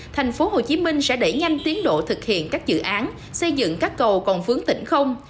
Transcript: tp hcm sẽ đẩy nhanh tiến độ thực hiện các dự án xây dựng các cầu còn vướng tỉnh không